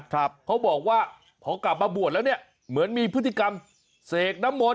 เขาบอกว่าพอกลับมาบวชแล้วเนี่ยเหมือนมีพฤติกรรมเสกน้ำมนต